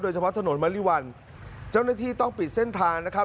เฉพาะถนนมริวัลเจ้าหน้าที่ต้องปิดเส้นทางนะครับ